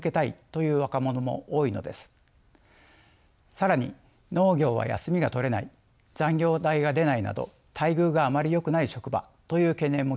更に農業は休みが取れない残業代が出ないなど待遇があまりよくない職場という懸念も聞きます。